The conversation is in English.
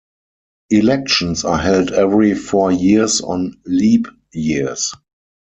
Elections are held every four years on leap years.